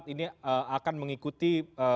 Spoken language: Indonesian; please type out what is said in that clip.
ini akan mengikuti